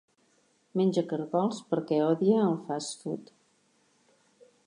Menge caragols perquè odie el 'fast food'.